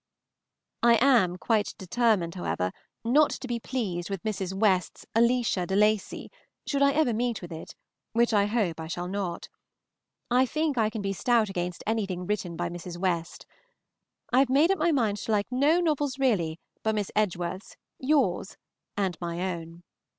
I am quite determined, however, not to be pleased with Mrs. West's "Alicia De Lacy," should I ever meet with it, which I hope I shall not. I think I can be stout against anything written by Mrs. West. I have made up my mind to like no novels really but Miss Edgeworth's, yours, and my own.